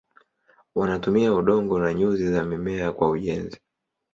Wanatumia udongo na nyuzi za mimea kwa ujenzi.